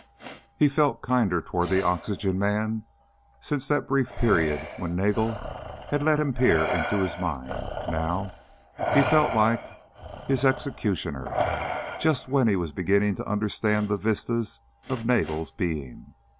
He had felt kinder toward the oxygen man since that brief period when Nagel had let him peer into his mind. Now ... now he felt like his executioner. Just when he was beginning to understand the vistas of Nagel's being.